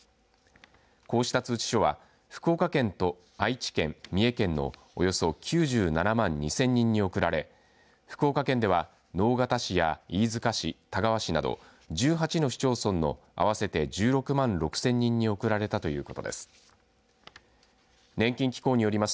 こうした通知書は福岡県と愛知県三重県のおよそ９７万２０００人に送られ福岡県では、直方市や飯塚市田川市など１８の市町村の合わせて１６万６０００人に送られたということです。